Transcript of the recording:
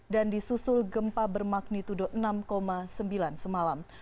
dan disusul gempa bermagnitudo enam sembilan semalam